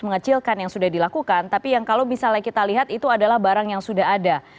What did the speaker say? mengecilkan yang sudah dilakukan tapi yang kalau misalnya kita lihat itu adalah barang yang sudah ada